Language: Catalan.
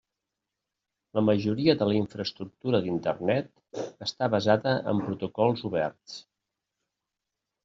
La majoria de la infraestructura d'Internet està basada en protocols oberts.